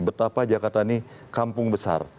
betapa jakarta ini kampung besar